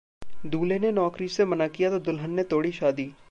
दूल्हे ने नौकरी से किया मना तो दुल्हन ने तोड़ी शादी